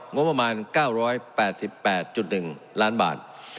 งบประมาณ๙๘๘๑ล้านบาท